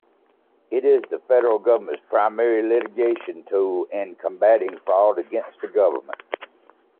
It is the federal Government's primary litigation tool in combating fraud against the Government.